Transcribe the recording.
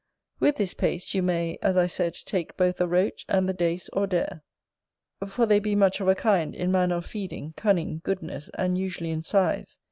With this paste you may, as I said, take both the Roach and the Dace or Dare; for they be much of a kind, in manner of feeding, cunning, goodness, and usually in size.